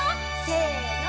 せの！